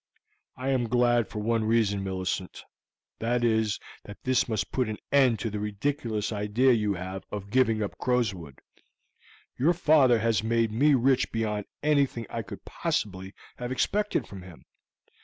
"I am glad for one reason, Millicent; that is, that this must put an end to the ridiculous idea you have of giving up Crowswood. Your father has made me rich beyond anything I could possibly have expected from him.